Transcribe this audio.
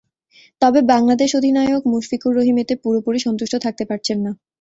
তবে বাংলাদেশ অধিনায়ক মুশফিকুর রহিম এতেই পুরোপুরি সন্তুষ্ট থাকতে পারছেন না।